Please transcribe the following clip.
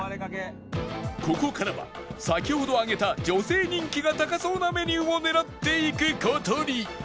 ここからは先ほど挙げた女性人気が高そうなメニューを狙っていく事に